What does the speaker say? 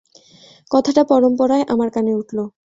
কথাটা পরম্পরায় আমার কানে উঠল।